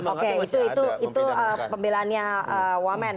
oke itu pembelanya wamen